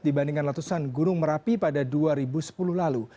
dibandingkan letusan gunung merapi pada dua ribu sepuluh lalu